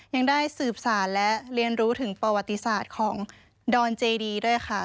ยังได้สืบสารและเรียนรู้ถึงประวัติศาสตร์ของดอนเจดีด้วยค่ะ